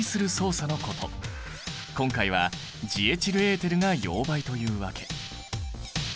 今回はジエチルエーテルが溶媒というわけ。